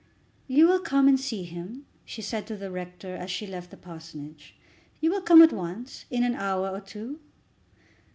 "You will come and see him?" she said to the rector, as she left the parsonage. "You will come at once; in an hour or two?"